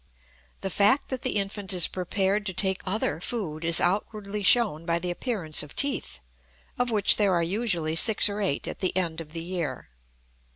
The fact that the infant is prepared to take other food is outwardly shown by the appearance of teeth, of which there are usually six or eight at the end of the year.